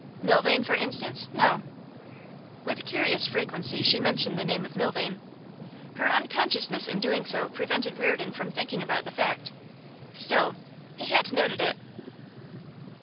'Milvain, for instance. No.' With curious frequency she mentioned the name of Milvain. Her unconsciousness in doing so prevented Reardon from thinking about the fact; still, he had noted it.